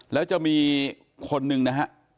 แล้วจะมีคนหนึ่งนะฮะ